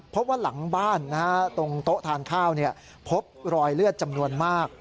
ว่าหลังบ้านตรงโต๊ะทานข้าวพบรอยเลือดจำนวนมาก